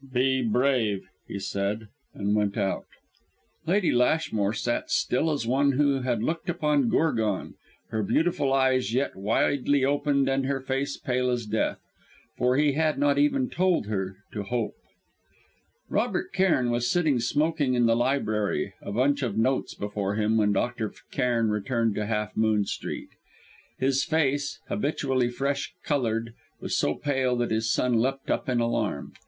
"Be brave," he said and went out. Lady Lashmore sat still as one who had looked upon Gorgon, her beautiful eyes yet widely opened and her face pale as death; for he had not even told her to hope. Robert Cairn was sitting smoking in the library, a bunch of notes before him, when Dr. Cairn returned to Half Moon Street. His face, habitually fresh coloured, was so pale that his son leapt up in alarm.